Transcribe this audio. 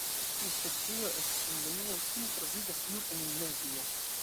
Tiu specio estas Endemio kiu troviĝas nur en Indonezio.